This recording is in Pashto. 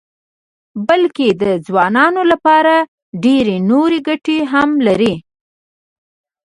بلکې د ځوانانو لپاره ډېرې نورې ګټې هم لري.